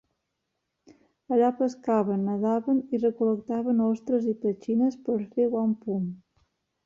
Allà pescaven, nedaven i recol·lectaven ostres i petxines per fer wampum.